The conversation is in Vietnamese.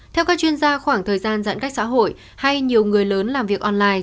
theo các chuyên gia khoảng thời gian giãn cách xã hội hay nhiều người lớn làm việc online